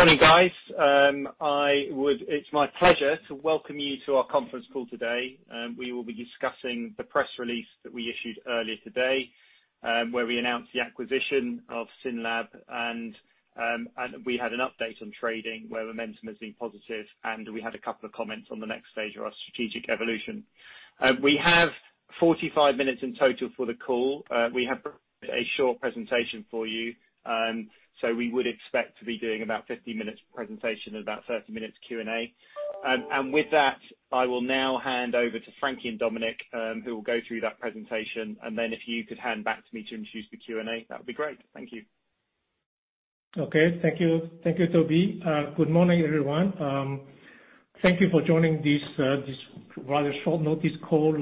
Morning, guys. It's my pleasure to welcome you to our conference call today. We will be discussing the press release that we issued earlier today, where we announced the acquisition of SYNLAB. We had an update on trading where momentum has been positive and we had a couple of comments on the next stage of our strategic evolution. We have 45 minutes in total for the call. We have a short presentation for you. We would expect to be doing about 50 minutes presentation and about 30 minutes Q&A. With that, I will now hand over to Frankie and Dominik, who will go through that presentation. Then if you could hand back to me to introduce the Q&A, that would be great. Thank you. Okay. Thank you, Toby. Good morning, everyone. Thank you for joining this rather short notice call.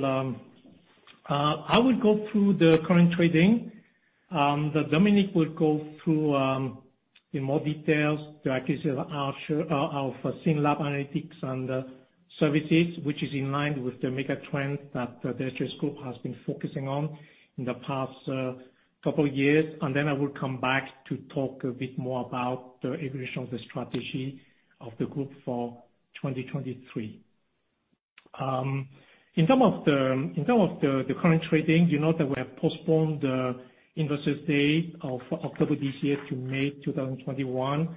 I will go through the current trading. Dominik will go through, in more details, the acquisition of SYNLAB Analytics & Services, which is in line with the mega trend that the SGS Group has been focusing on in the past couple years. I will come back to talk a bit more about the evolution of the strategy of the Group for 2023. In terms of the current trading, you know that we have postponed the Investors Day of October this year to May 2021.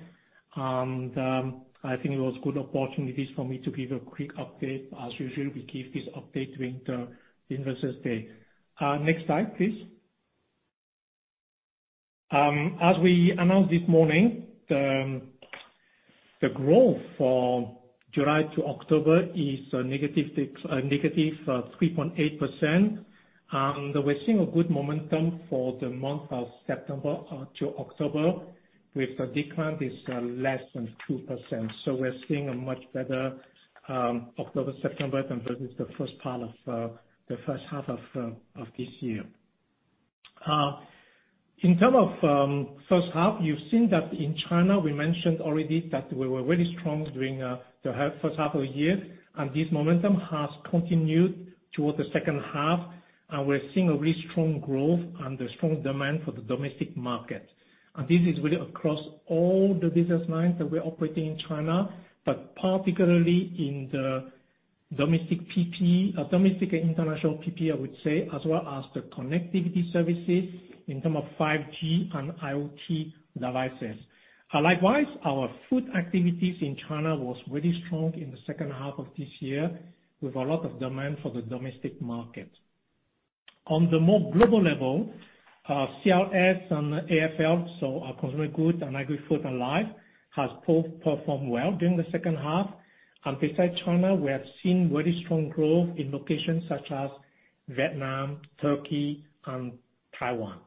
I think it was good opportunities for me to give a quick update. As usual, we give this update during the Investors Day. Next slide, please. As we announced this morning, the growth for July to October is negative 3.8%, we're seeing a good momentum for the month of September to October, with the decline is less than 2%. We're seeing a much better October, September compared with the first half of this year. In terms of first half, you've seen that in China, we mentioned already that we were really strong during the first half of the year, and this momentum has continued towards the second half, and we're seeing a really strong growth and a strong demand for the domestic market. This is really across all the business lines that we operate in China, but particularly in the domestic and international PPE, I would say, as well as the connectivity services in term of 5G and IoT devices. Likewise, our food activities in China was really strong in the second half of this year, with a lot of demand for the domestic market. On the more global level, CRS and AFL, so our consumer goods and agri food and life, has performed well during the second half. Besides China, we have seen very strong growth in locations such as Vietnam, Turkey, and Taiwan.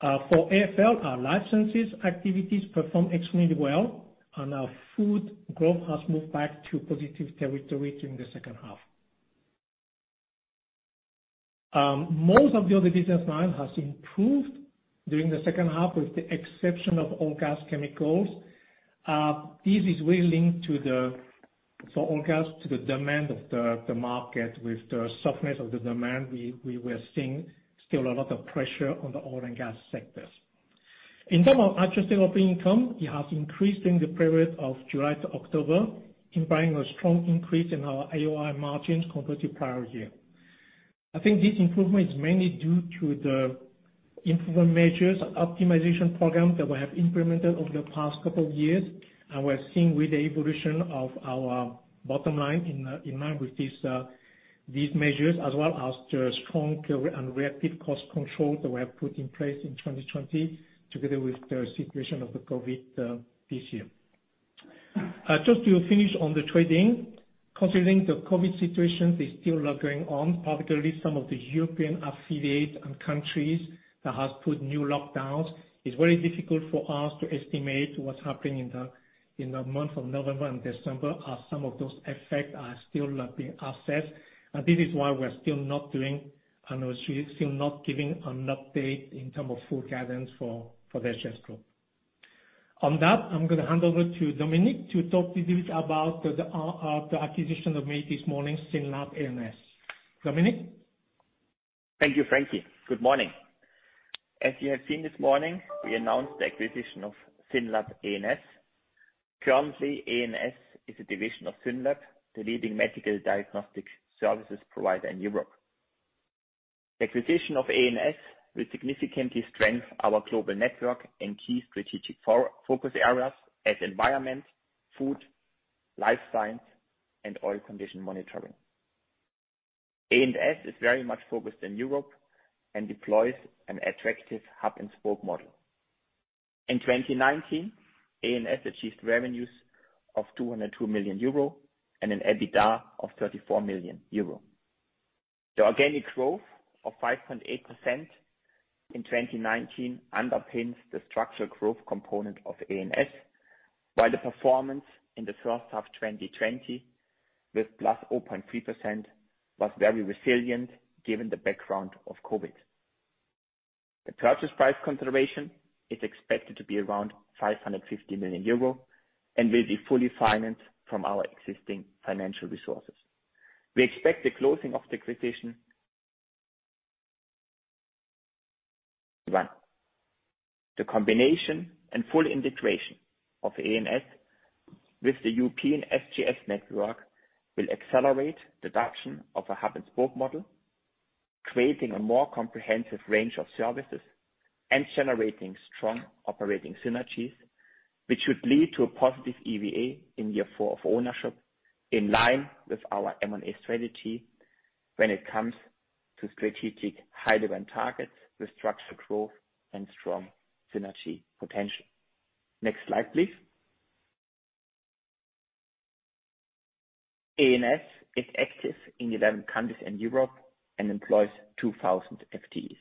For AFL, our life sciences activities perform extremely well, and our food growth has moved back to positive territory during the second half. Most of the other business lines has improved during the second half, with the exception of oil & gas chemicals. This is really linked to the demand of the market. With the softness of the demand, we were seeing still a lot of pressure on the oil & gas sectors. In term of adjusted operating income, it has increased during the period of July to October, implying a strong increase in our AOI margins compared to prior year. I think this improvement is mainly due to the improvement measures optimization program that we have implemented over the past couple of years, and we're seeing with the evolution of our bottom line in line with these measures, as well as the strong and rapid cost control that we have put in place in 2020, together with the situation of the COVID this year. Just to finish on the trading. Considering the COVID situation is still ongoing, particularly some of the European affiliates and countries that has put new lockdowns, it's very difficult for us to estimate what's happening in the month of November and December, as some of those effects are still not being assessed. This is why we're still not giving an update in term of full guidance for the SGS Group. On that, I'm going to hand over to Dominik to talk to you about the acquisition that made this morning, SYNLAB A&S. Dominik? Thank you, Frankie. Good morning. As you have seen this morning, we announced the acquisition of SYNLAB A&S. Currently, A&S is a division of SYNLAB, the leading medical diagnostic services provider in Europe. Acquisition of A&S will significantly strengthen our global network and key strategic focus areas as environment, food, life science, and oil condition monitoring. A&S is very much focused in Europe and deploys an attractive hub and spoke model. In 2019, A&S achieved revenues of 202 million euro and an EBITDA of 34 million euro. The organic growth of 5.8% in 2019 underpins the structural growth component of A&S, while the performance in the first half 2020, with +0.3%, was very resilient given the background of COVID. The purchase price consideration is expected to be around 550 million euro and will be fully financed from our existing financial resources. We expect the closing of the acquisition. One, the combination and full integration of A&S with the European SGS network will accelerate the adoption of a hub and spoke model, creating a more comprehensive range of services and generating strong operating synergies, which would lead to a positive EVA in year four of ownership, in line with our M&A strategy when it comes to strategic high-return targets with structured growth and strong synergy potential. Next slide, please. A&S is active in 11 countries in Europe and employs 2,000 FTEs.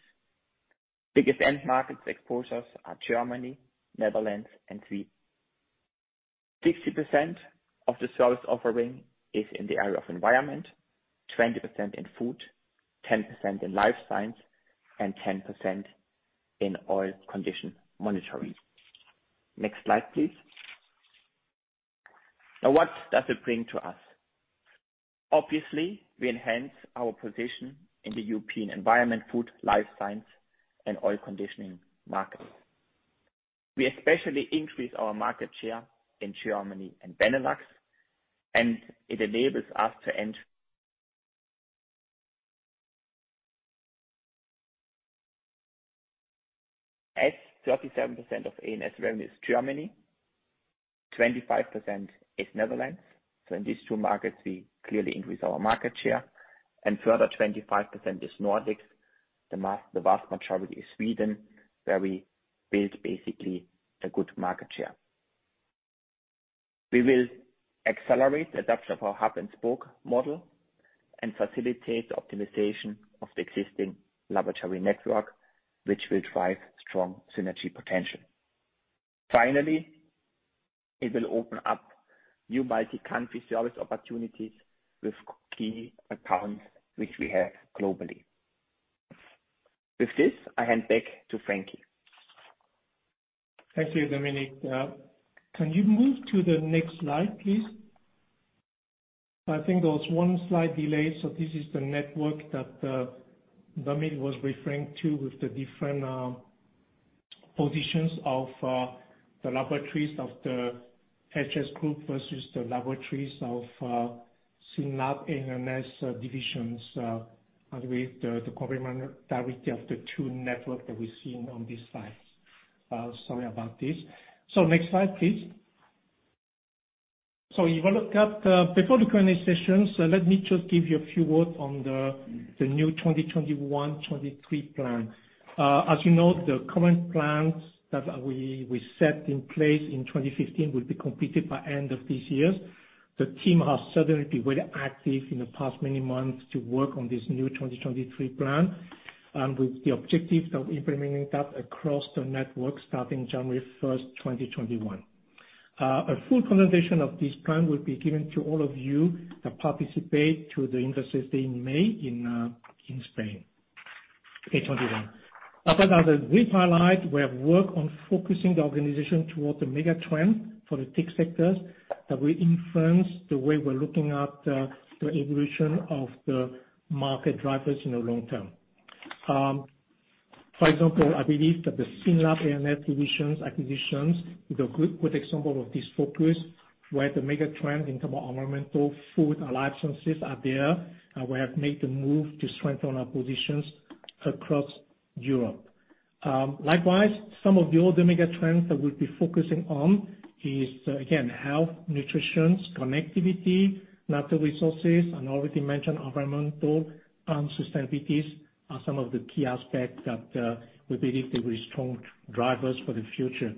Biggest end market exposures are Germany, Netherlands, and Sweden. 60% of the service offering is in the area of environment, 20% in food, 10% in life science, and 10% in oil condition monitoring. Next slide, please. Now, what does it bring to us? Obviously, we enhance our position in the European environment, food, life science, and oil conditioning market. We especially increase our market share in Germany and Benelux, and it enables us to enter. As 37% of A&S revenue is Germany, 25% is Netherlands. In these two markets, we clearly increase our market share, and further 25% is Nordics. The vast majority is Sweden, where we build basically a good market share. We will accelerate the adoption of our hub and spoke model and facilitate the optimization of the existing laboratory network, which will drive strong synergy potential. Finally, it will open up new multi-country service opportunities with key accounts which we have globally. With this, I hand back to Frankie. Thank you, Dominik. Can you move to the next slide, please? I think there was one slide delayed. This is the network that Dominik was referring to with the different positions of the laboratories of the SGS Group versus the laboratories of SYNLAB A&S divisions, and with the complementary of the two network that we've seen on these slides. Sorry about this. Next slide, please. Before the current session, so let me just give you a few words on the new 2021/23 plan. As you know, the current plans that we set in place in 2015 will be completed by end of this year. The team has certainly been very active in the past many months to work on this new 2023 plan, and with the objective of implementing that across the network starting January 1st, 2021. A full presentation of this plan will be given to all of you that participate to the Investors Day in May, in Spain, 2021. As I already did highlight, we have worked on focusing the organization towards the mega-trend for the TIC sectors that will influence the way we're looking at the evolution of the market drivers in the long-term. I believe that the SYNLAB A&S divisions acquisitions is a good example of this focus, where the mega-trend in terms of environmental, food, and life sciences are there, and we have made the move to strengthen our positions across Europe. Some of the other mega-trends that we'll be focusing on is, again, health, nutritions, connectivity, natural resources, and already mentioned environmental and sustainabilities are some of the key aspects that we believe they were strong drivers for the future.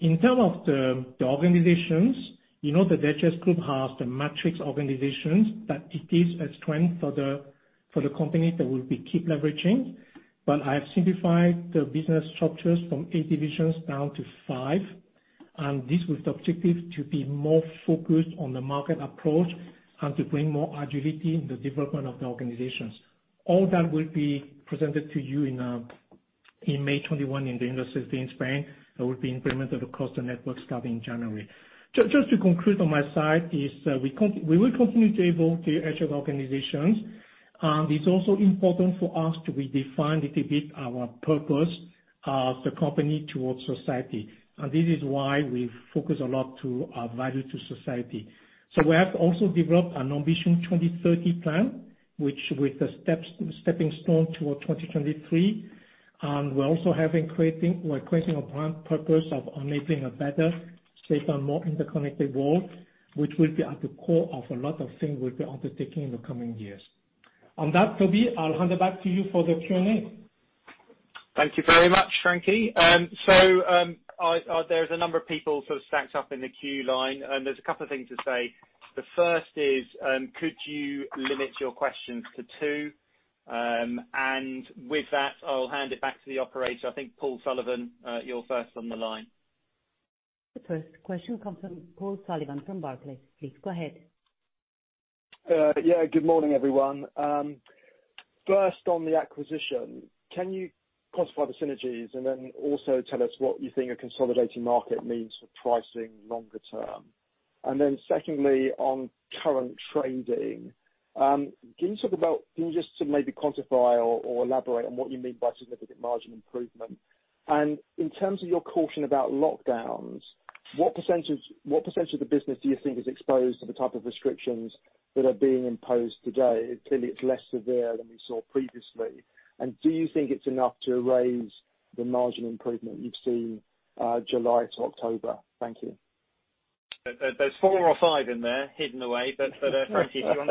In term of the organizations, you know that SGS Group has the matrix organizations, that it is a strength for the company that we'll be keep leveraging. I have simplified the business structures from eight divisions down to five, and this with the objective to be more focused on the market approach and to bring more agility in the development of the organizations. All that will be presented to you in May 2021 in the Investors Day in Spain, and will be implemented across the network starting in January. Just to conclude on my side is, we will continue to evolve the SGS organizations. It's also important for us to redefine little bit our purpose of the company towards society. This is why we focus a lot to our value to society. We have also developed an Ambition 2030 Plan, which with the stepping stone toward 2023, and we're also creating a brand purpose of enabling a better, safer, more interconnected world, which will be at the core of a lot of things we'll be undertaking in the coming years. On that, Toby, I'll hand it back to you for the Q&A. Thank you very much, Frankie. There's a number of people sort of stacked up in the queue line, and there's a couple of things to say. The first is, could you limit your questions to two? With that, I'll hand it back to the operator. I think, Paul Sullivan, you're first on the line. The first question comes from Paul Sullivan from Barclays. Please go ahead. Good morning, everyone. First on the acquisition, can you quantify the synergies and also tell us what you think a consolidating market means for pricing longer-term? Secondly, on current trading, can you just maybe quantify or elaborate on what you mean by significant margin improvement? In terms of your caution about lockdowns, what % of the business do you think is exposed to the type of restrictions that are being imposed today? Clearly, it's less severe than we saw previously. Do you think it's enough to erase the margin improvement you've seen July to October? Thank you. There's four or five in there hidden away. Frankie, if you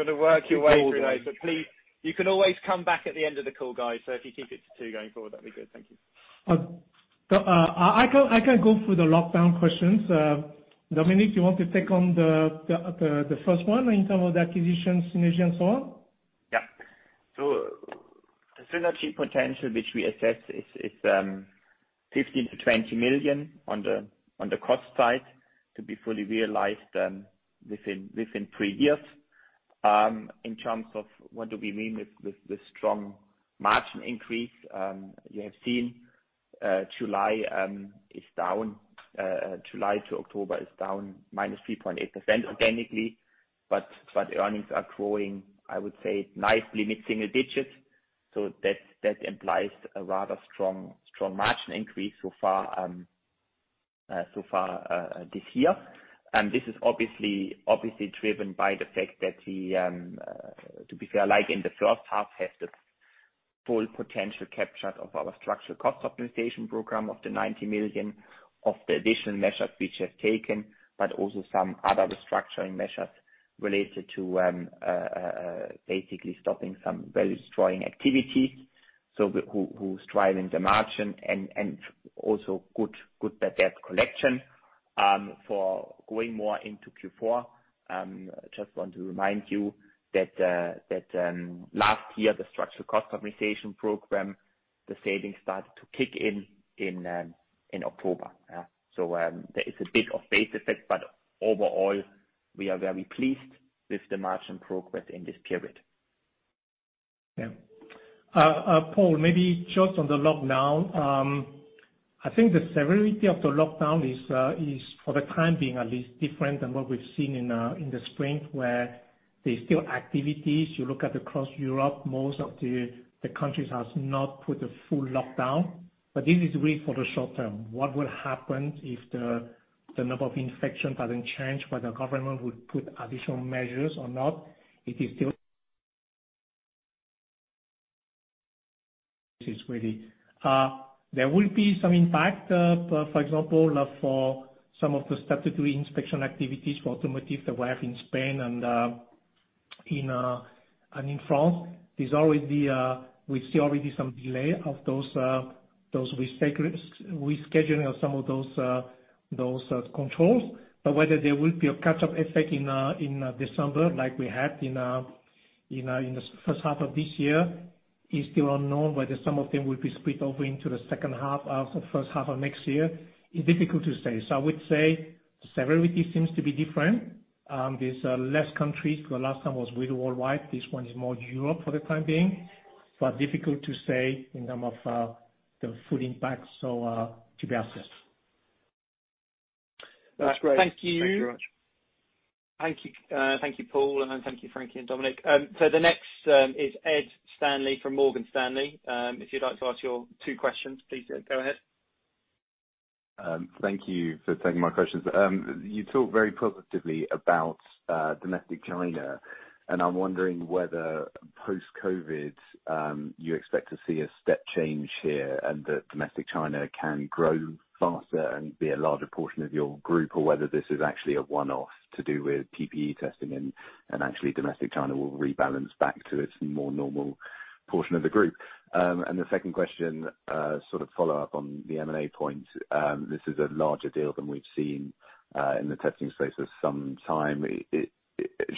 want to work your way through those. Please, you can always come back at the end of the call, guys. If you keep it to two going forward, that'd be good. Thank you. I can go through the lockdown questions. Dominik, you want to take on the first one in term of the acquisitions synergy and so on? The synergy potential, which we assess, is 15 million-20 million on the cost side to be fully realized within three years. In terms of what do we mean with the strong margin increase, you have seen July to October is down -3.8% organically, but earnings are growing, I would say nicely mid-single-digits. That implies a rather strong margin increase so far this year. This is obviously driven by the fact that we, to be fair, like in the first half, have the full potential captured of our structural cost optimization program of the 90 million, of the additional measures which we have taken, but also some other restructuring measures related to basically stopping some value-destroying activities. Who's driving the margin and also good bad debt collection. For going more into Q4, just want to remind you that last year, the structural cost optimization program, the savings started to kick in October. There is a bit of base effect. Overall, we are very pleased with the margin progress in this period. Yeah. Paul, maybe just on the lockdown. I think the severity of the lockdown is, for the time being at least, different than what we've seen in the spring, where there's still activities. You look at across Europe, most of the countries has not put a full lockdown, but this is really for the short-term. What will happen if the number of infections doesn't change, whether government would put additional measures or not, it is still really. There will be some impact, for example, for some of the statutory inspection activities for automotive that we have in Spain and in France. We see already some delay of those rescheduling of some of those controls. Whether there will be a catch-up effect in December like we had in the first half of this year, is still unknown. Whether some of them will be split over into the first half of next year is difficult to say. I would say severity seems to be different. There's less countries, the last time was really worldwide. This one is more Europe for the time being, but difficult to say in term of the full impact, so to be assessed. That's great. Thank you. Thank you very much. Thank you, Paul, and thank you, Frankie and Dominik. The next is Ed Stanley from Morgan Stanley. If you'd like to ask your two questions, please go ahead. Thank you for taking my questions. You talked very positively about domestic China, and I'm wondering whether post-COVID, you expect to see a step change here and that domestic China can grow faster and be a larger portion of your group, or whether this is actually a one-off to do with PPE testing and actually domestic China will rebalance back to its more normal portion of the group. The second question, sort of follow up on the M&A point. This is a larger deal than we've seen in the testing space for some time.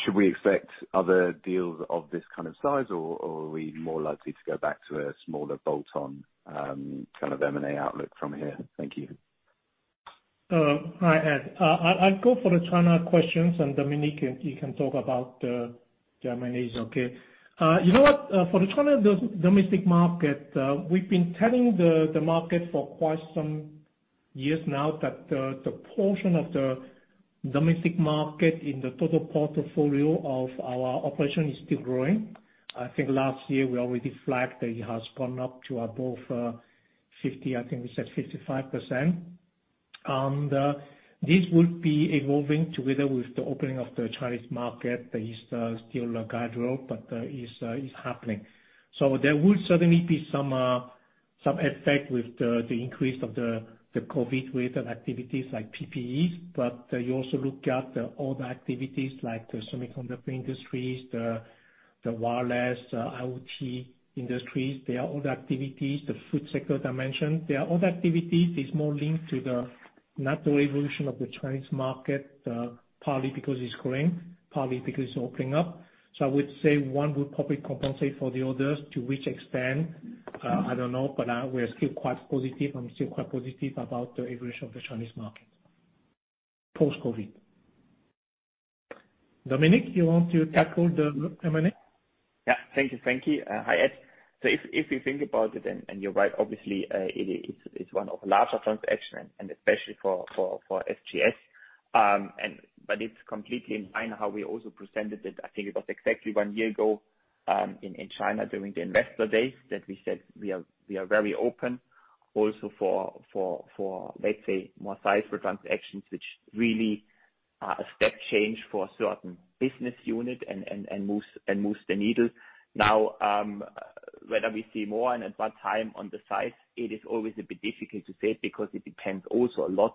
Should we expect other deals of this kind of size, or are we more likely to go back to a smaller bolt-on, kind of M&A outlook from here? Thank you. Hi, Ed. I'll go for the China questions, and Dominik, you can talk about Germany. Okay. You know what? For the China domestic market, we've been telling the market for quite some years now that the portion of the domestic market in the total portfolio of our operation is still growing. I think last year we already flagged that it has gone up to above 50, I think we said 55%. This will be evolving together with the opening of the Chinese market. There is still a guide rope, but it's happening. There will certainly be some effect with the increase of the COVID-related activities like PPEs. You also look at the other activities like the semiconductor industries, the wireless IoT industries. There are other activities, the food sector dimension. There are other activities, it's more linked to the natural evolution of the Chinese market, partly because it's growing, partly because it's opening up. I would say one would probably compensate for the others. To which extent, I don't know. We are still quite positive, I'm still quite positive about the evolution of the Chinese market post-COVID. Dominik, you want to tackle the M&A? Thank you, Frankie. Hi, Ed. If you think about it, and you're right, obviously, it's one of larger transactions and especially for SGS. It's completely in line how we also presented it, I think it was exactly one year ago, in China during the investor days that we said we are very open also for, let's say, more sizable transactions, which really are a step change for a certain business unit and moves the needle. Whether we see more and at what time on the size, it is always a bit difficult to say, because it depends also a lot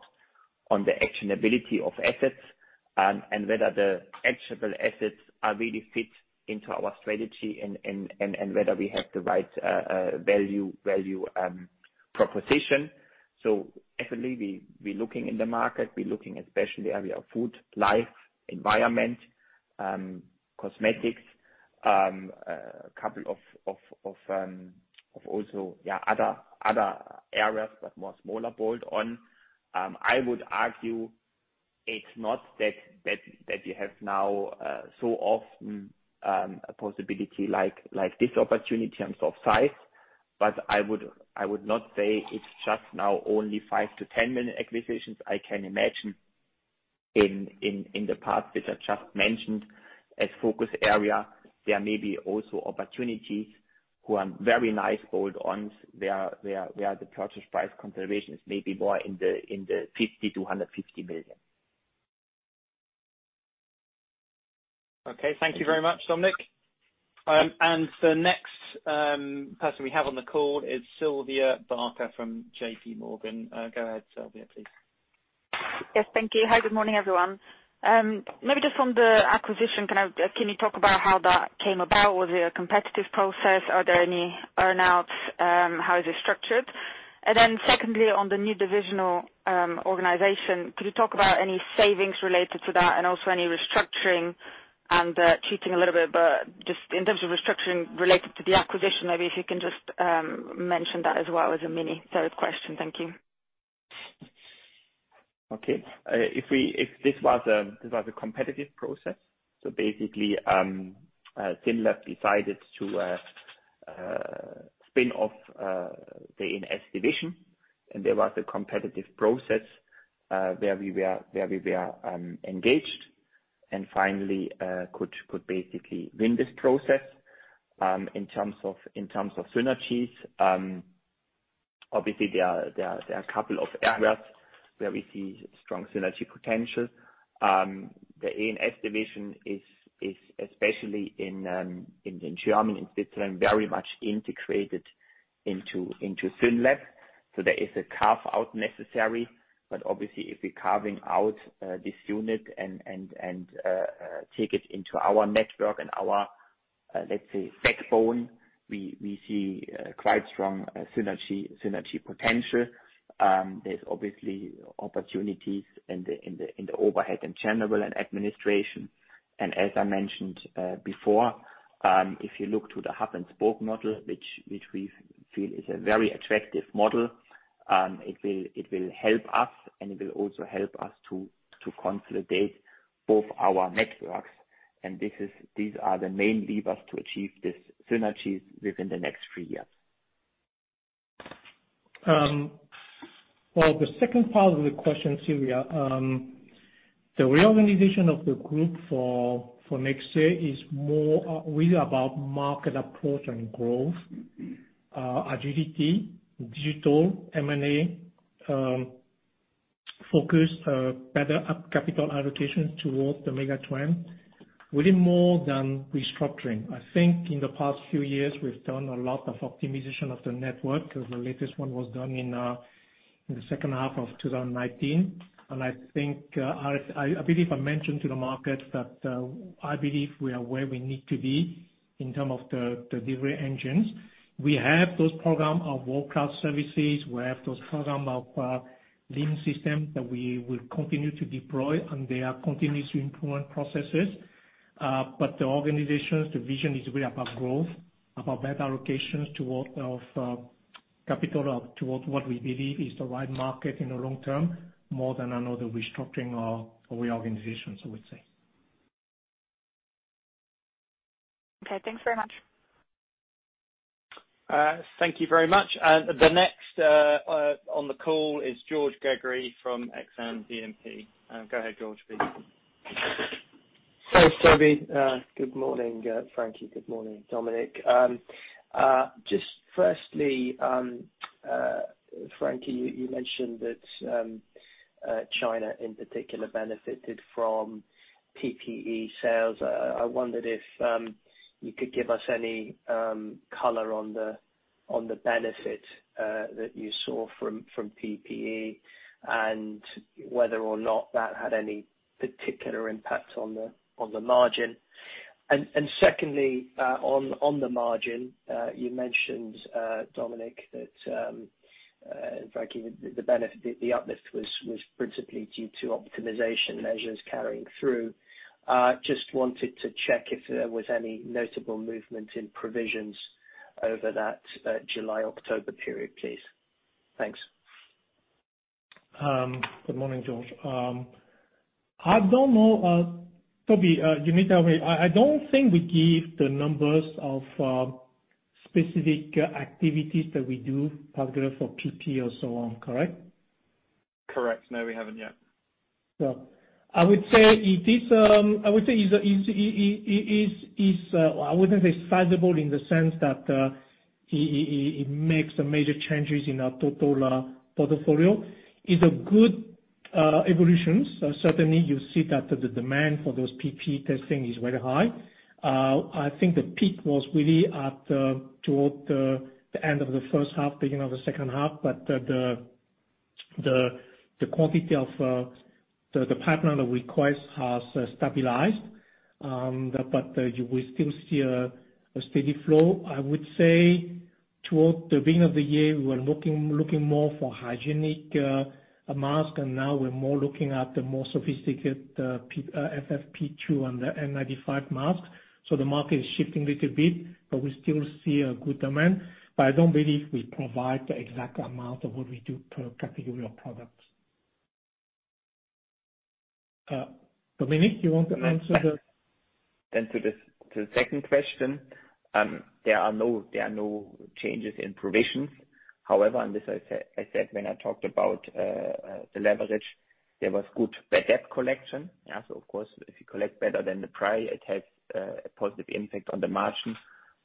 on the actionability of assets, and whether the actionable assets really fit into our strategy, and whether we have the right value proposition. Definitely, we're looking in the market. We're looking especially area of food, life, environment, cosmetics, couple of also other areas, but more smaller bolt-on. I would argue it's not that you have now so often, a possibility like this opportunity in terms of size, I would not say it's just now only 5 million-10 million acquisitions. I can imagine in the past, which I just mentioned as focus area, there may be also opportunities who are very nice bolt-ons, where the purchase price consideration is maybe more in the 50 million-150 million. Okay. Thank you very much, Dominik. The next person we have on the call is Silvia Barker from JPMorgan. Go ahead, Silvia, please. Yes, thank you. Hi, good morning, everyone. Maybe just from the acquisition, can you talk about how that came about? Was it a competitive process? Are there any earn-outs? How is it structured? Secondly, on the new divisional organization, could you talk about any savings related to that and also any restructuring and, cheating a little bit, but just in terms of restructuring related to the acquisition, maybe if you can just mention that as well as a mini third question. Thank you. This was a competitive process. Basically, SYNLAB decided to spin off the A&S division. There was a competitive process, where we were engaged and finally could basically win this process. In terms of synergies, obviously there are a couple of areas where we see strong synergy potential. The A&S division is especially in Germany and Switzerland, very much integrated into SYNLAB. There is a carve-out necessary. Obviously, if we're carving out this unit and take it into our network and our, let's say backbone, we see quite strong synergy potential. There's obviously opportunities in the overhead and general and administration. As I mentioned before, if you look to the hub and spoke model, which we feel is a very attractive model, it will help us and it will also help us to consolidate both our networks. These are the main levers to achieve these synergies within the next three years. For the second part of the question, Silvia, the reorganization of the group for next year is more really about market approach and growth, agility, digital, M&A, focus, better capital allocations towards the mega trend, really more than restructuring. I think in the past few years we've done a lot of optimization of the network. The latest one was done in the second half of 2019. I believe I mentioned to the market that, I believe we are where we need to be in terms of the delivery engines. We have those programs of workout services. We have those programs of lean system that we will continue to deploy, and they are continuous improvement processes. The organizations, the vision is really about growth, about better allocations of capital towards what we believe is the right market in the long-term, more than another restructuring or reorganization, so I would say. Okay, thanks very much. Thank you very much. The next on the call is George Gregory from Exane BNP. Go ahead, George, please. Thanks, Toby. Good morning, Frankie. Good morning, Dominik. Just firstly, Frankie, you mentioned that China in particular benefited from PPE sales. I wondered if you could give us any color on the benefit that you saw from PPE and whether or not that had any particular impact on the margin. Secondly, on the margin, you mentioned, Dominik, that, Frankie, the uplift was principally due to optimization measures carrying through. Just wanted to check if there was any notable movement in provisions over that July to October period, please. Thanks Good morning, George. Toby, you need to wait. I don't think we give the numbers of specific activities that we do program for PPE or so on, correct? Correct. No, we haven't yet. I would say it is sizable in the sense that it makes a major changes in our total portfolio. It's a good evolution. Certainly you see that the demand for those PPE testing is very high. I think the peak was really towards the end of the first half, beginning of the second half, the quantity of the partner request has stabilized. We still see a steady flow. I would say toward the beginning of the year, we were looking more for hygienic mask and now we're more looking at the more sophisticated FFP2 and the N95 mask. The market is shifting little bit, we still see a good demand. I don't believe we provide the exact amount of what we do per category of products. Dominik, you want to answer the- To the second question, there are no changes in provisions. However, and this I said when I talked about the leverage, there was good bad debt collection. Of course, if you collect better than the prior, it has a positive impact on the margin,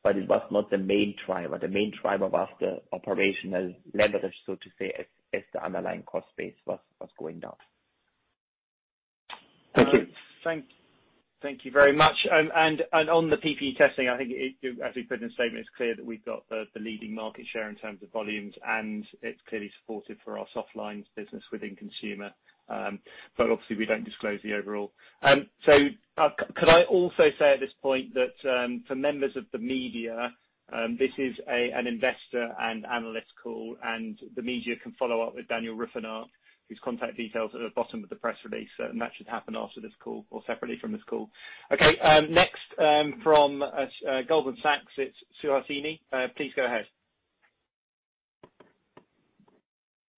but it was not the main driver. The main driver was the operational leverage, so to say, as the underlying cost base was going down. Thank you. Thank you very much. On the PPE testing, I think as we put in the statement, it's clear that we've got the leading market share in terms of volumes and it's clearly supportive for our softlines business within consumer. Obviously we don't disclose the overall. Could I also say at this point that, for members of the media, this is an investor and analyst call, and the media can follow up with Daniel Rüfenacht, whose contact details are at the bottom of the press release, and that should happen after this call or separately from this call. Next, from Goldman Sachs, it's Suhasini. Please go ahead.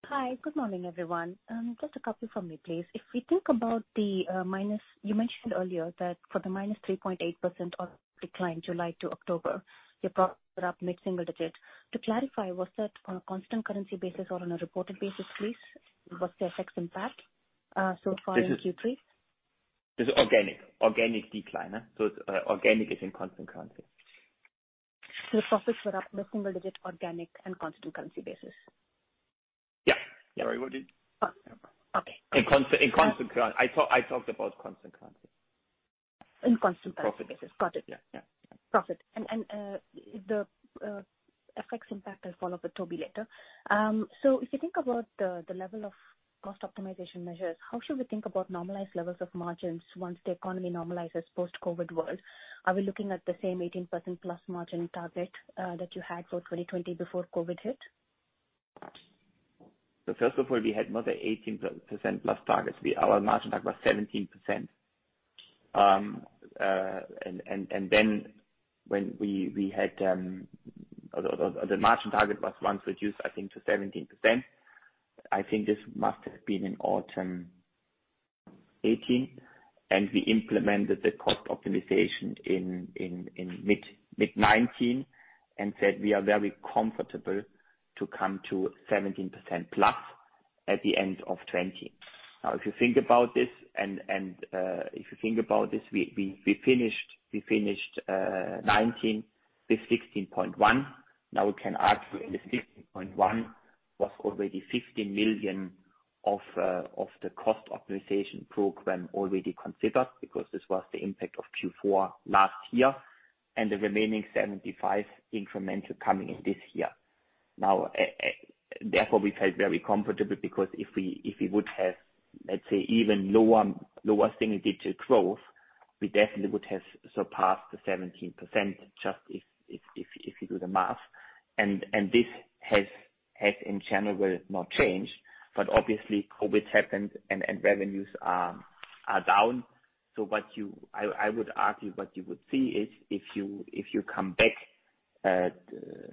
Hi, good morning, everyone. Just a couple from me, please. You mentioned earlier that for the minus 3.8% decline July to October, your profit were up mid-single-digit. To clarify, was that on a constant currency basis or on a reported basis, please? What's the FX impact so far in Q3? This is organic decline. It's organic is in constant currency. The profits were up mid-single-digit, organic and constant currency basis? Yeah. Sorry, what did? Oh, okay. In constant currency. I talked about constant currency. In constant currency basis. Got it. Yeah. Got it. The FX impact I'll follow with Toby later. If you think about the level of cost optimization measures, how should we think about normalized levels of margins once the economy normalizes post-COVID world? Are we looking at the same 18%+ margin target that you had for 2020 before COVID hit? First of all, we had not a 18%+ target. Our margin target was 17%. The margin target was once reduced, I think, to 17%. I think this must have been in autumn 2018, and we implemented the cost optimization in mid-2019 and said we are very comfortable to come to 17%+ at the end of 2020. If you think about this, we finished 2019 with 16.1%. We can argue in the 16.1% was already 15 million of the cost optimization program already considered because this was the impact of Q4 last year and the remaining 75 million incremental coming in this year. Therefore, we felt very comfortable because if we would have, let's say, even lower single digit growth, we definitely would have surpassed the 17%, just if you do the math. This has in general not changed, but obviously COVID happened and revenues are down. I would argue what you would see is if you come back,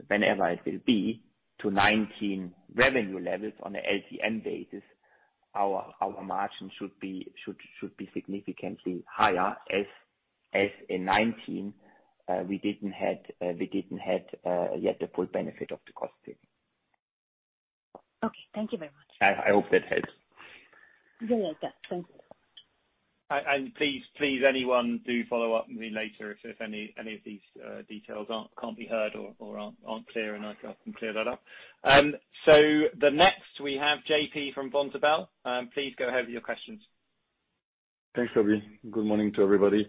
whenever it will be, to 2019 revenue levels on an LCN basis, our margin should be significantly higher as in 2019 we didn't have yet the full benefit of the cost save. Okay. Thank you very much. I hope that helps. Yeah. Thank you. Please, anyone do follow up with me later if any of these details can't be heard or aren't clear, and I can clear that up. The next we have J.P. from Vontobel. Please go ahead with your questions. Thanks, Toby. Good morning to everybody.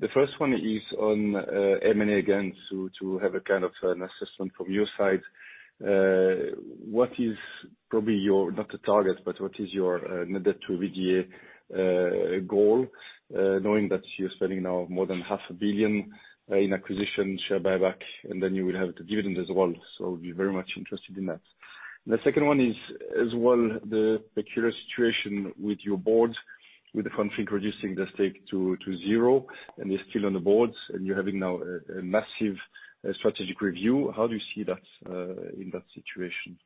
The first one is on M&A again, to have a kind of an assessment from your side. What is probably your, not a target, but what is your net debt to EBITDA goal, knowing that you're spending now more than half a billion in acquisition, share buyback, and then you will have the dividends as well. We're very much interested in that. The second one is as well the peculiar situation with your board. With von Finck reducing the stake to zero, and they're still on the board, and you're having now a massive strategic review. How do you see that in that situation?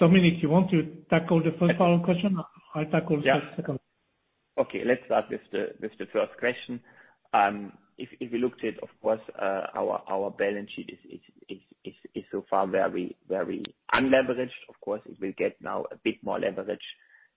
Dominik, you want to tackle the first follow-up question? I'll tackle the second. Yeah. Okay, let's start with the first question. If we looked at, of course, our balance sheet is so far very unleveraged. Of course, it will get now a bit more leverage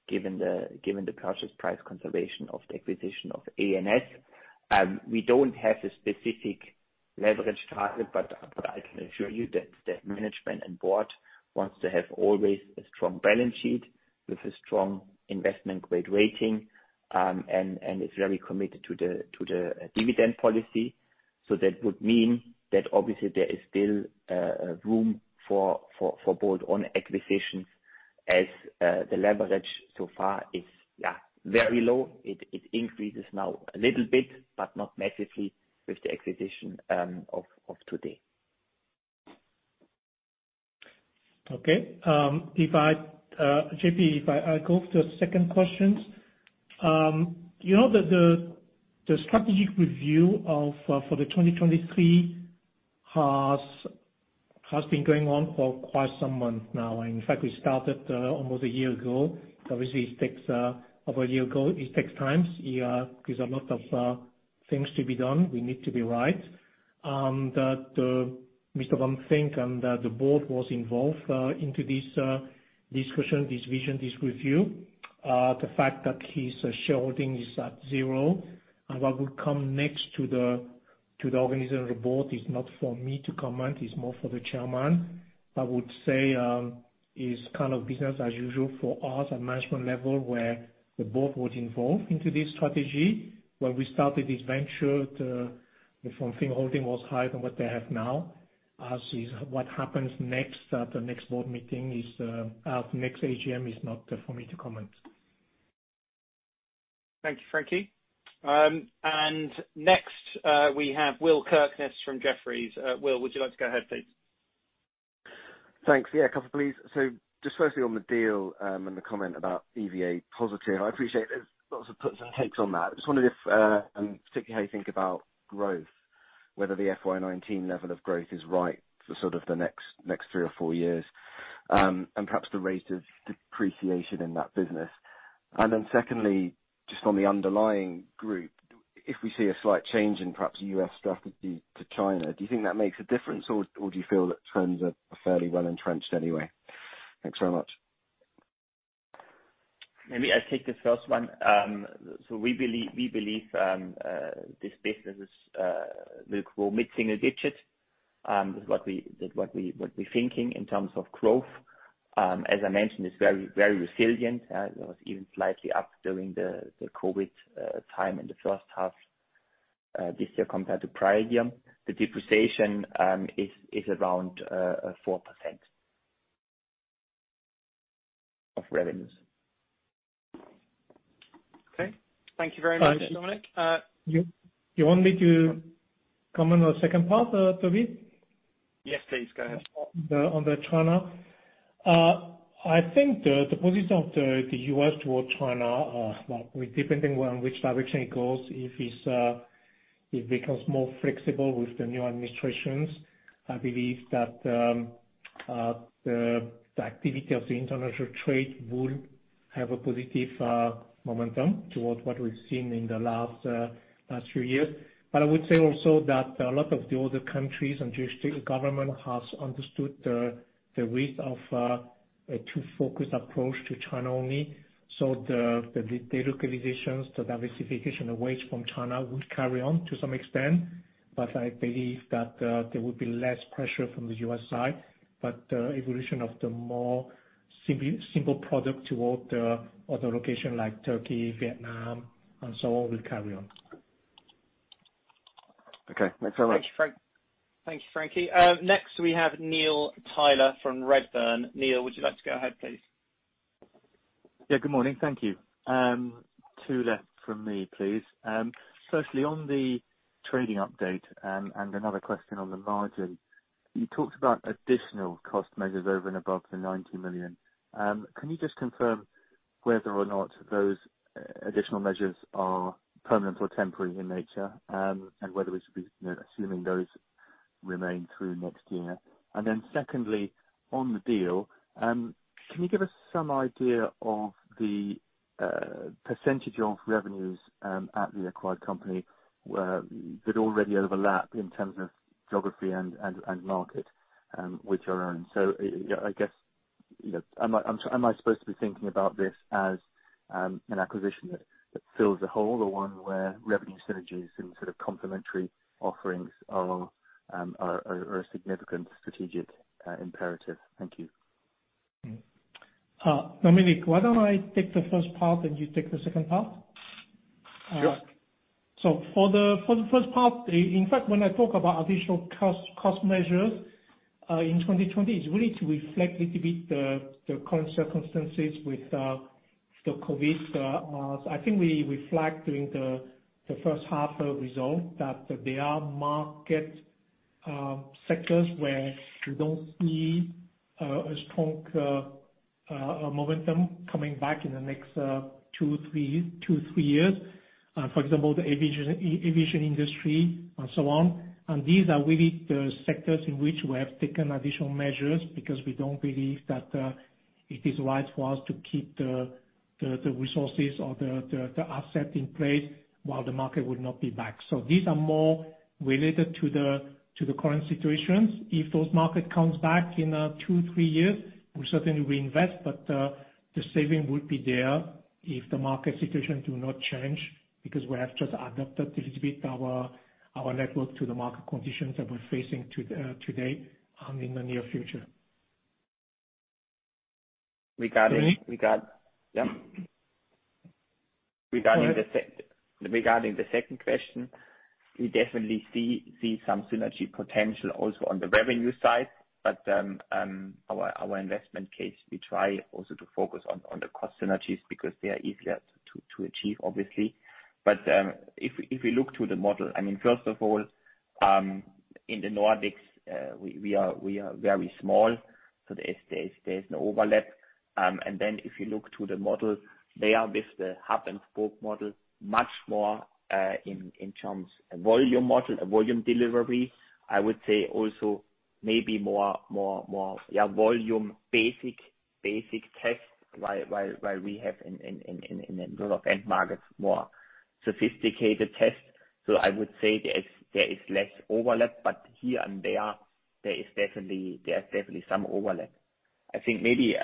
given the purchase price consideration of the acquisition of A&S. We don't have a specific leverage target, but I can assure you that management and board wants to have always a strong balance sheet with a strong investment-grade rating, and is very committed to the dividend policy. That would mean that obviously there is still room for both on acquisitions as the leverage so far is very low. It increases now a little bit, but not massively with the acquisition of today. Okay. J.P., if I go to the second question. The strategic review for the 2023 has been going on for quite some month now. We started almost a year ago. It takes time. There's a lot of things to be done. We need to be right. That Mr. von Finck and the Board was involved into this discussion, this vision, this review. The fact that his shareholding is at zero, what would come next to the organization report is not for me to comment, it's more for the chairman. I would say it's business as usual for us at management level, where the board was involved into this strategy. When we started this venture, the von Finck holding was higher than what they have now. I'll see what happens next at the next board meeting. Next AGM is not for me to comment. Thank you, Frankie. Next, we have Will Kirkness from Jefferies. Will, would you like to go ahead, please? Thanks. Yeah, a couple, please. Just firstly on the deal, and the comment about EVA-positive, I appreciate there's lots of puts and takes on that. I just wondered if, and particularly how you think about growth, whether the FY 2019 level of growth is right for sort of the next three or four years, and perhaps the rate of depreciation in that business. Secondly, just on the underlying group, if we see a slight change in perhaps U.S. strategy to China, do you think that makes a difference or do you feel that trends are fairly well-entrenched anyway? Thanks very much. Maybe I take the first one. We believe this business will grow mid-single-digits. That's what we're thinking in terms of growth. As I mentioned, it's very resilient. It was even slightly up during the COVID time in the first half this year compared to prior year. The depreciation is around 4% of revenues. Okay. Thank you very much, Dominik. You want me to comment on the second part, Toby? Yes, please. Go ahead. On the China. I think the position of the U.S. towards China, depending on which direction it goes, if it becomes more flexible with the new administrations, I believe that the activity of the international trade would have a positive momentum towards what we've seen in the last three years. I would say also that a lot of the other countries and GHC government has understood the risk of a too focused approach to China only. The delocalization, the diversification away from China would carry on to some extent, but I believe that there will be less pressure from the U.S. side. The evolution of the more simple product toward the other location like Turkey, Vietnam, and so on, will carry on. Okay. Thanks very much. Thank you, Frankie. Next, we have Neil Tyler from Redburn. Neil, would you like to go ahead, please? Yeah, good morning. Thank you. Two left from me, please. Firstly, on the trading update, and another question on the margin. You talked about additional cost measures over and above the 90 million. Can you just confirm whether or not those additional measures are permanent or temporary in nature? Whether we should be assuming those remain through next year. Secondly, on the deal, can you give us some idea of the % of revenues, at the acquired company that already overlap in terms of geography and market with your own? I guess, am I supposed to be thinking about this as an acquisition that fills a hole or one where revenue synergies and sort of complementary offerings are a significant strategic imperative? Thank you. Dominik, why don't I take the first part and you take the second part? Sure. For the first part, in fact, when I talk about additional cost measures, in 2020, it's really to reflect little bit the current circumstances with the COVID. I think we flagged during the first half result that there are market- sectors where we don't see a strong momentum coming back in the next two, three years. For example, the aviation industry and so on. These are really the sectors in which we have taken additional measures because we don't believe that it is right for us to keep the resources or the asset in place while the market will not be back. These are more related to the current situations. If those market comes back in two, three years, we'll certainly reinvest, but the saving would be there if the market situation do not change, because we have just adapted a little bit our network to the market conditions that we're facing today and in the near future. Regarding the second question, we definitely see some synergy potential also on the revenue side. Our investment case, we try also to focus on the cost synergies because they are easier to achieve, obviously. If we look to the model, first of all, in the Nordics, we are very small, so there is an overlap. If you look to the model, they are with the hub and spoke model much more, in terms volume model, volume delivery. I would say also maybe more volume basic tests, while we have in the developed end markets, more sophisticated tests. I would say there is less overlap, but here and there are definitely some overlap. I think maybe,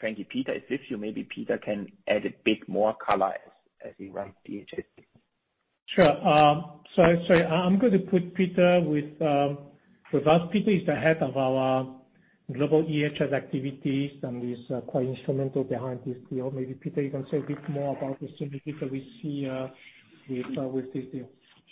Frankie, Peter is with you. Maybe Peter can add a bit more color as he runs EHS. Sure. Sorry, I'm going to put Peter with us. Peter is the head of our global EHS activities and is quite instrumental behind this deal. Maybe Peter, you can say a bit more about the synergies that we see with this deal.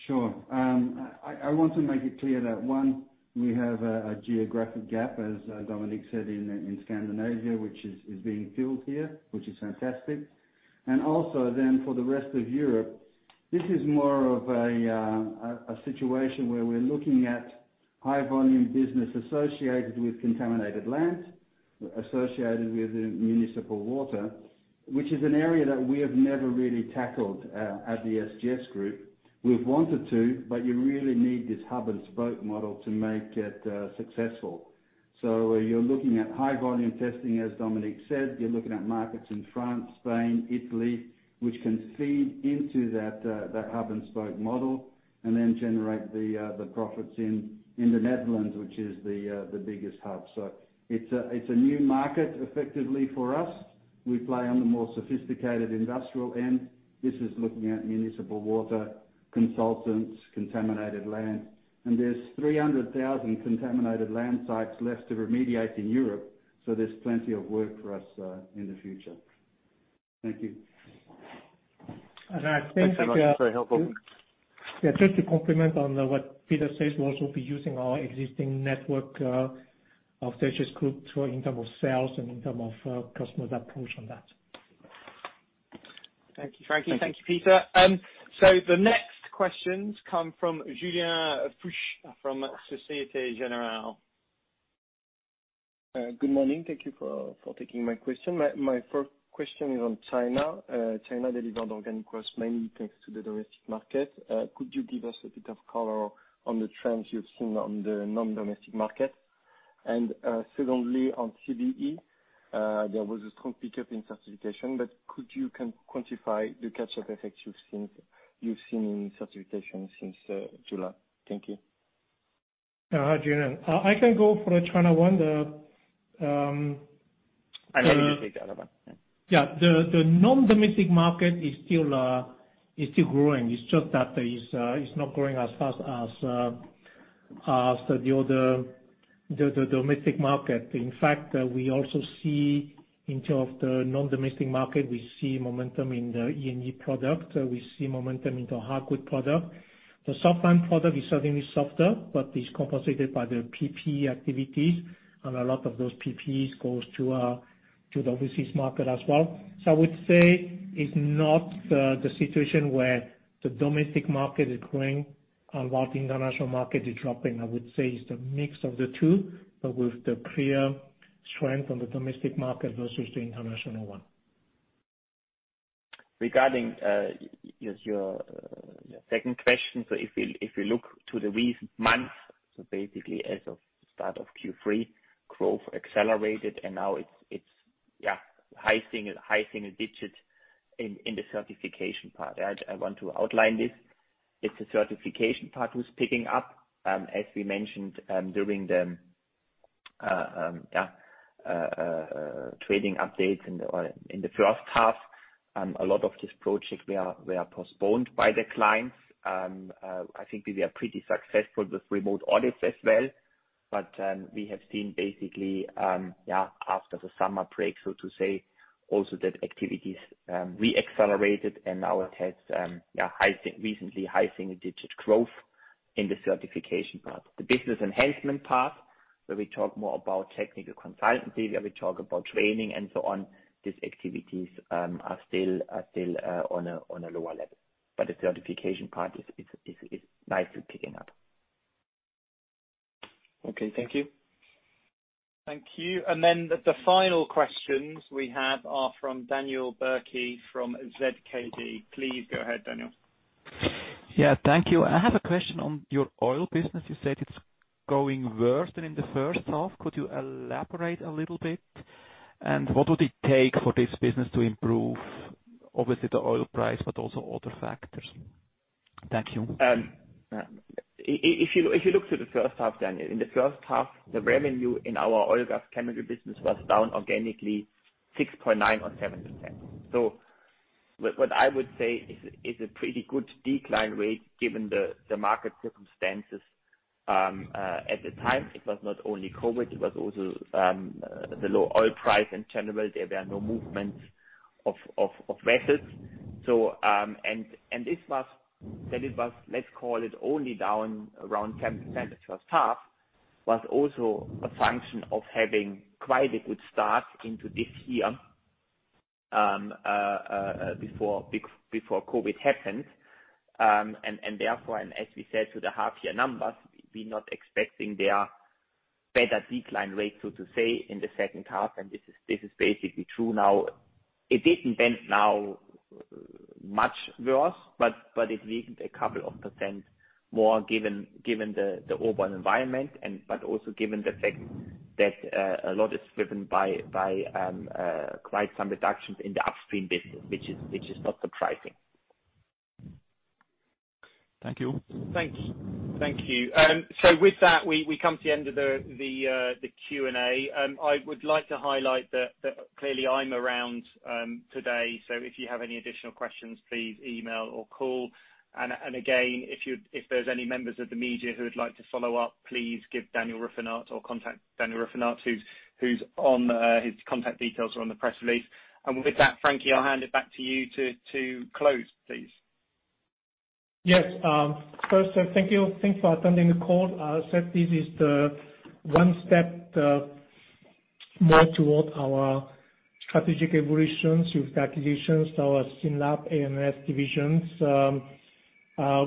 Sure. I want to make it clear that one, we have a geographic gap, as Dominik said, in Scandinavia, which is being filled here, which is fantastic. For the rest of Europe, this is more of a situation where we're looking at high volume business associated with contaminated land, associated with municipal water, which is an area that we have never really tackled at the SGS Group. You really need this hub and spoke model to make it successful. You're looking at high volume testing, as Dominik said. You're looking at markets in France, Spain, Italy, which can feed into that hub and spoke model and then generate the profits in the Netherlands, which is the biggest hub. It's a new market effectively for us. We play on the more sophisticated industrial end. This is looking at municipal water consultants, contaminated land. There's 300,000 contaminated land sites left to remediate in Europe. There's plenty of work for us, in the future. Thank you. And I think- Thanks so much. Very helpful. Yeah. Just to complement on what Peter says, we'll also be using our existing network of SGS Group in terms of sales and in terms of customers approach on that. Thank you, Frankie. Thank you, Peter. The next questions come from Julien Puech from Societe Generale. Good morning. Thank you for taking my question. My first question is on China. China delivered organic growth mainly thanks to the domestic market. Could you give us a bit of color on the trends you've seen on the non-domestic market? Secondly, on CBE, there was a strong pickup in certification, could you quantify the catch-up effect you've seen in certification since July? Thank you. Hi, Julien. I can go for the China one. I know you take the other one, yeah. Yeah, the non-domestic market is still growing. It's just that it's not growing as fast as the other domestic market. In fact, we also see in terms of the non-domestic market, we see momentum in the E&E product. We see momentum into hardwood product. The softline product is certainly softer, but is compensated by the PPE activities. A lot of those PPEs goes to the overseas market as well. I would say it's not the situation where the domestic market is growing and while the international market is dropping. I would say it's the mix of the two, but with the clear strength on the domestic market versus the international one. Regarding your second question, if you look to the recent month, basically as of start of Q3, growth accelerated and now it's, yeah, high single digit in the certification part. I want to outline this. It's the certification part who's picking up, as we mentioned, during the, yeah, trading updates in the first half. A lot of this project were postponed by the clients. I think we were pretty successful with remote audits as well. We have seen basically, yeah, after the summer break, so to say, also that activities re-accelerated and now it has, yeah, recently high single digit growth in the certification part. The business enhancement part, where we talk more about technical consultancy, where we talk about training and so on, these activities are still on a lower level. The certification part is nicely picking up. Okay, thank you. Thank you. The final questions we have are from Daniel Bürki from ZKB. Please go ahead, Daniel. Yeah, thank you. I have a question on your oil business. You said it's going worse than in the first half. Could you elaborate a little bit? What would it take for this business to improve, obviously the oil price, but also other factors? Thank you. If you look to the first half, Daniel, in the first half, the revenue in our oil gas chemical business was down organically 6.9% or 7%. What I would say is a pretty good decline rate given the market circumstances, at the time. It was not only COVID, it was also the low oil price in general. There were no movements of vessels. This was, let's call it only down around 10% the first half was also a function of having quite a good start into this year, before COVID happened. As we said to the half year numbers, we're not expecting they are better decline rate, so to say, in the second half, and this is basically true now. It didn't bend now much worse, but it weakened a couple of % more given the overall environment but also given the fact that a lot is driven by quite some reductions in the upstream business, which is not surprising. Thank you. Thank you. With that, we come to the end of the Q&A. I would like to highlight that clearly I'm around today, so if you have any additional questions, please email or call, and again, if there's any members of the media who would like to follow up, please give Daniel Rüfenacht or contact Daniel Rüfenacht, his contact details are on the press release. With that, Frankie, I'll hand it back to you to close, please. Yes. First, thank you. Thanks for attending the call. As I said, this is the one step more toward our strategic evolutions with acquisitions, our SYNLAB A&S divisions.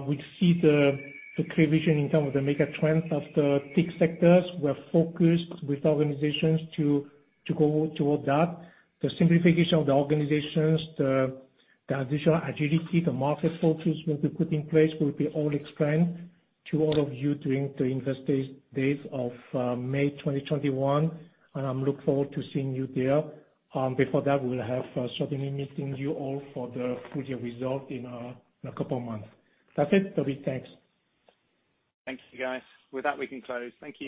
We see the clear vision in terms of the mega trends of the TIC sectors. We're focused with organizations to go toward that. The simplification of the organizations, the additional agility, the market focus will be put in place, will be all explained to all of you during the Investor Days of May 2021, and I look forward to seeing you there. Before that, we will have certainly meeting you all for the full year result in a couple of months. That's it. Thanks. Thank you, guys. With that, we can close. Thank you.